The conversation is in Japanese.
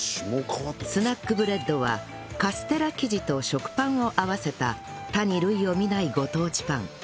スナックブレッドはカステラ生地と食パンを合わせた他に類を見ないご当地パン